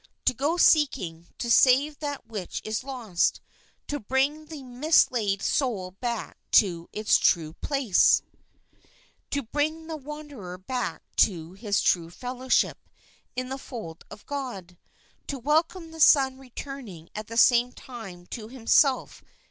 To go seeking to save that j; ?j$. which is lost, to bring the mislaid soul back to its true place, to bring the wanderer back to his true fellowship in the fold of God, to welcome | W: the son returning at the same time to himself